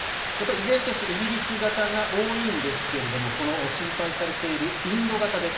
依然としてイギリス型が多いんですがこの心配されているインド型です。